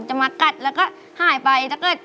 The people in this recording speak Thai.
จะมากัดแล้วก็หายไป